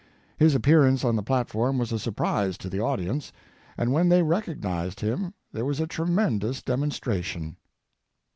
His appearance on the platform was a surprise to the audience, and when they recognized him there was a tremendous demonstration.